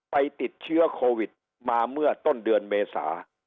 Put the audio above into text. ไปติดเชื้อโควิดมาเมื่อต้นเดือนเมษา